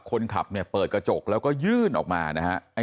คนนั้นคงเปิดกระจกแล้วก็ยื่นออกมานะครับ